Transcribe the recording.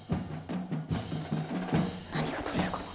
何がとれるかな。